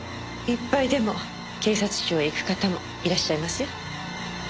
一敗でも警察庁へ行く方もいらっしゃいますよ。